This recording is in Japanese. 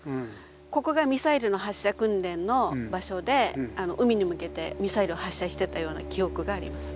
ここがミサイルの発射訓練の場所であの海に向けてミサイルを発射してたような記憶があります。